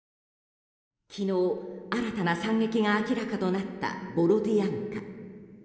昨日、新たな惨劇が明らかとなったボロディアンカ。